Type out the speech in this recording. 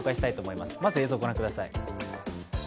まず映像、ご覧ください。